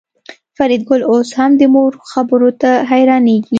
فریدګل اوس هم د مور خبرو ته حیرانېږي